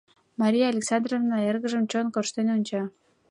Мария Александровна эргыжым чон корштен онча.